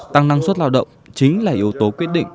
tăng năng suất lao động chính là yếu tố quyết định